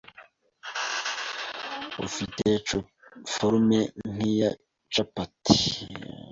ufite forme nk’iya capati